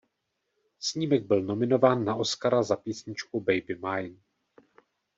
Snímek byl nominován na Oscara za písničku "Baby Mine".